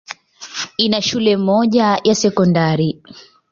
Ina shule moja ya sekondari.